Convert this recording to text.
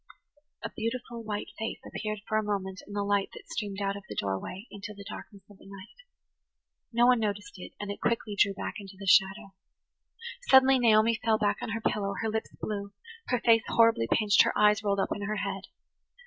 A beautiful, white face appeared for a moment in the light that streamed out of the doorway into the darkness of the night. No one noticed it, and it quickly drew back into the shadow. Suddenly Naomi fell back on her pillow, her lips blue, her face horribly pinched, her eyes rolled up in her head.